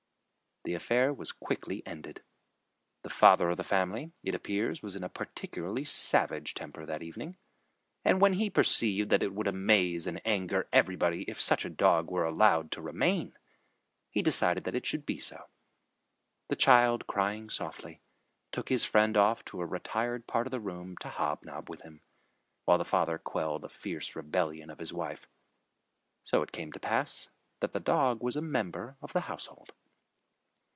The affair was quickly ended. The father of the family, it appears, was in a particularly savage temper that evening, and when he perceived that it would amaze and anger everybody if such a dog were allowed to remain, he decided that it should be so. The child, crying softly, took his friend off to a retired part of the room to hobnob with him, while the father quelled a fierce rebellion of his wife. So it came to pass that the dog was a member of the household.